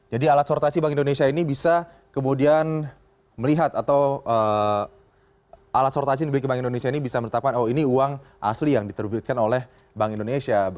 jadi alat sortasi bank indonesia ini bisa kemudian melihat atau alat sortasi yang dibeli bank indonesia ini bisa menetapkan oh ini uang asli yang diterbitkan oleh bank indonesia